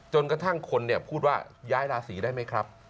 จนกระทั่งคนพูดว่าย้ายราศีได้ไหมครับ